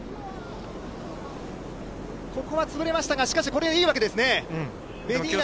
ここはつぶれましたが、これでいいわけですね。